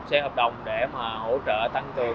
xe hợp đồng để mà hỗ trợ tăng cường